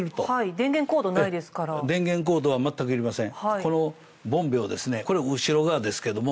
電源コードはまったくいりません。